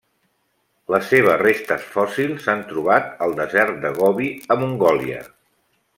Les seves restes fòssils s'han trobat al desert de Gobi, a Mongòlia.